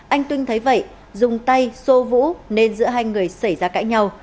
anh tuyên thấy vậy dùng tay xô vũ nên giữa hai người xảy ra cãi nhau